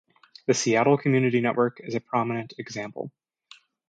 The Seattle Community Network is a prominent example.